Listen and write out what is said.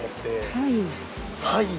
「はい」。